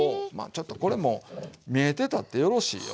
ちょっとこれも見えてたってよろしいよ。